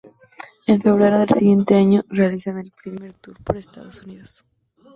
En febrero del siguiente año, realizan el primer tour por Estados Unidos.